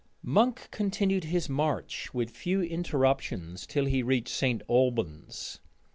Monk continued his march with few interruptions till he reached St. Albans.